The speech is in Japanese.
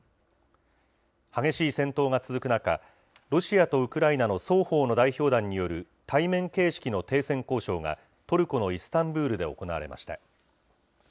激しい戦闘が続く中、ロシアとウクライナの双方の代表団による対面形式の停戦交渉が、トルコのイスタンブールで行われました。